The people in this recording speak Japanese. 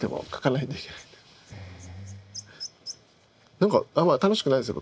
何かあんま楽しくないですよ